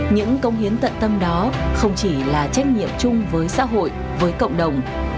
những công hiến tận tâm đó không chỉ là trách nhiệm chung với xã hội với cộng đồng